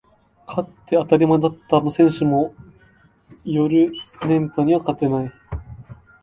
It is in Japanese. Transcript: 勝って当たり前だったあの選手も寄る年波には勝てない